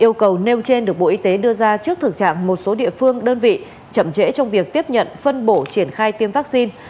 yêu cầu nêu trên được bộ y tế đưa ra trước thực trạng một số địa phương đơn vị chậm trễ trong việc tiếp nhận phân bổ triển khai tiêm vaccine